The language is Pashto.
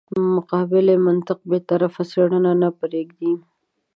مقابلې منطق بې طرفه څېړنه نه پرېږدي.